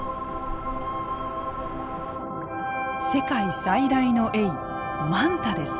世界最大のエイマンタです。